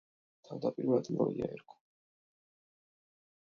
თავდაპირველად ლოია ერქვა.